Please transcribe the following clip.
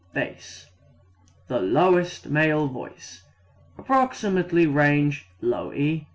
Bass the lowest male voice. Approximate range E e'.